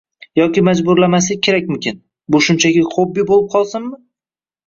Yoki majburlamaslik kerakmikin – bu shunchaki xobbi bo‘lib qolsinmi?